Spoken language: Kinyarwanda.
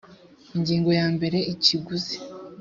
ingingo ya mbere ikiguzi